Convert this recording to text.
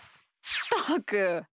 ったく！